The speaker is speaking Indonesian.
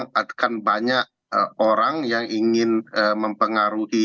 menyebabkan banyak orang yang ingin mempengaruhi